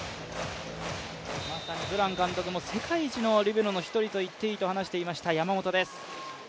まさにブラン監督も世界一のリベロの一人と言っていいと話していました山本です。